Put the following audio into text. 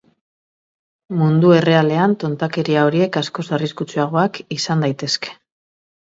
Mundu errealean, tontakeria horiek askoz arriskutsuagoak izan daitezke.